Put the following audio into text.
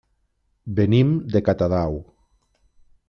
Venim de Catadau.